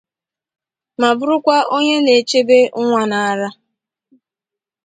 ma bụrụkwa onye na na-echebe nwa ara